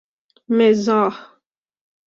مزاح